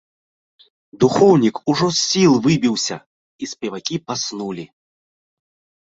Духоўнік ужо з сіл выбіўся і спевакі паснулі!